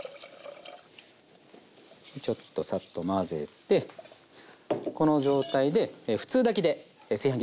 ちょっとサッと混ぜてこの状態で普通炊きで炊飯器で炊いていきます。